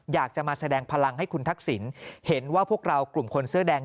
อยากจะมาแสดงพลังให้คุณทักษิณเห็นว่าพวกเรากลุ่มคนเสื้อแดง